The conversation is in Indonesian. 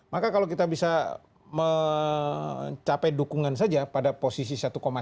maka kalau kita bisa mencapai dukungan saja pada posisi satu tujuh